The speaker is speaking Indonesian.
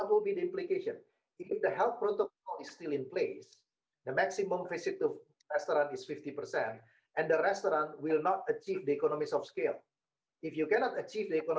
saya memiliki beberapa slide biar saya cek apakah anda bisa mendengar saya dengan baik sebelum saya lanjutkan